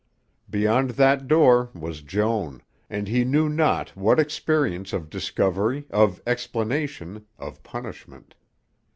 Beyond that door was Joan and he knew not what experience of discovery, of explanation, of punishment.